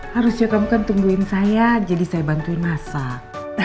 harusnya kamu kan tungguin saya jadi saya bantuin masak